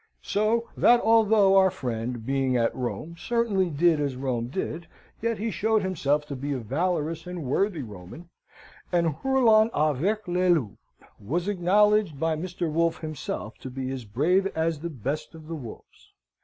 So that though our friend, being at Rome, certainly did as Rome did, yet he showed himself to be a valorous and worthy Roman; and, hurlant avec les loups, was acknowledged by Mr. Wolfe himself to be as brave as the best of the wolves.